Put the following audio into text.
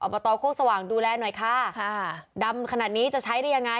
บตโคกสว่างดูแลหน่อยค่ะค่ะดำขนาดนี้จะใช้ได้ยังไง